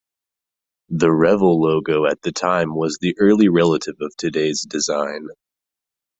The Revell logo at the time was the early relative of today's design.